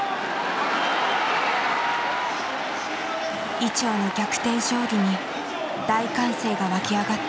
伊調の逆転勝利に大歓声が沸き上がった。